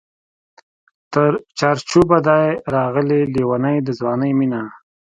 تر چار چوبه دی راغلې لېونۍ د ځوانۍ مینه